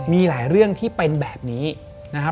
มีหลายเรื่องที่เป็นแบบนี้นะครับ